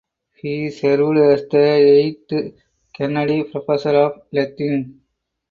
He served as the eighth Kennedy Professor of Latin.